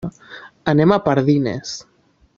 Anem a Pardines.